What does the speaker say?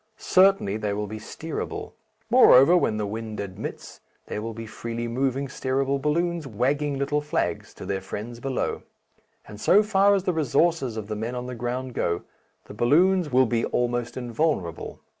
Certainly they will be steerable. Moreover, when the wind admits, there will be freely moving steerable balloons wagging little flags to their friends below. And so far as the resources of the men on the ground go, the balloons will be almost invulnerable.